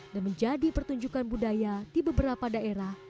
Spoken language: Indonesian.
dan menjadi pertunjukan budaya di beberapa daerah